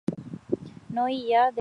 No hi ha dreceres violentes.